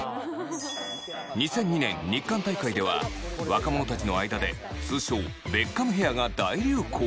２００２年日韓大会では若者たちの間で通称ベッカムヘアが大流行！